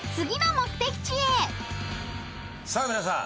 さあ皆さん